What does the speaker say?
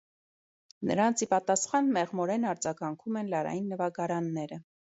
Նրանց ի պատասխան մեղմորեն արձագանքում են լարային նվագարանները։